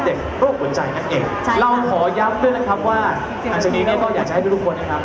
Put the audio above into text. เราขอยับด้วยนะครับว่าอันจากนี้เราก็อยากจะให้ทุกคนนะครับ